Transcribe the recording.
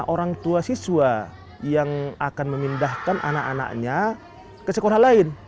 orang tua siswa yang akan memindahkan anak anaknya ke sekolah lain